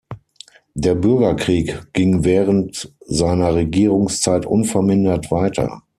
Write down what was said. Der Bürgerkrieg ging während seiner Regierungszeit unvermindert weiter.